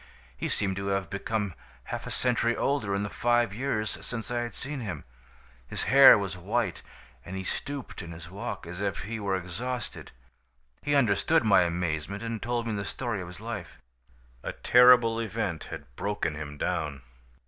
He seemed to have become half a century older in the five years since I had seen him. His hair was white, and he stooped in his walk, as if he were exhausted. He understood my amazement and told me the story of his life. "A terrible event had broken him down.